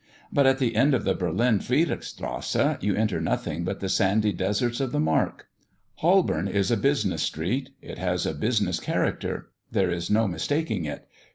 But at the end of the Berlin Friedrichstrasse you enter nothing but the sandy deserts of the Mark. Holborn is a business street. It has a business character; there is no mistaking it.